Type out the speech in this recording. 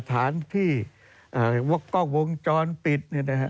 สถานที่วงจรปิด